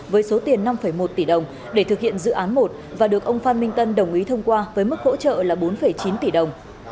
với số tiền năm một tỷ đồng để thực hiện dự án một và được ông phan minh tân đồng ý thông qua với mức hỗ trợ là bốn chín tỷ đồng